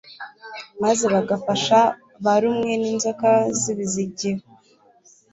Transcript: maze bagapfa barumwe n'inzoka zibizingiyeho